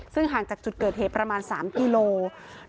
ซึ่งห่างจากจุดเกิดเหตุประมาณ๓กิโลกรัม